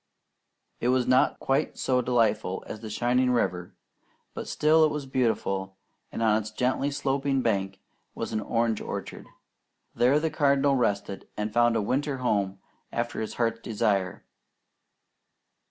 It was not quite so delightful as the shining river; but still it was beautiful, and on its gently sloping bank was an orange orchard. There the Cardinal rested, and found a winter home after his heart's desire.